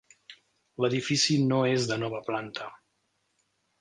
L'edifici no és de nova planta.